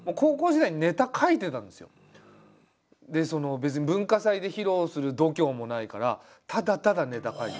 別に文化祭で披露する度胸もないからただただネタ書いて。